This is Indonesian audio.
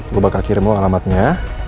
gue bakal kirim semua alamatnya